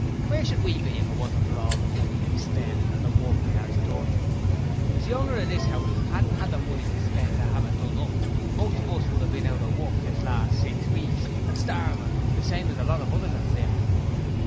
Where should we be if it wasn't for all the money they spend and the work they 'as done? If the owner of this 'ouse 'adn't 'ad the money to spend to 'ave it done up, most of us would 'ave bin out of work this last six weeks, and starvin', the same as lots of others 'as been.'